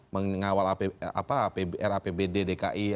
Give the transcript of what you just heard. mengawal apbd dki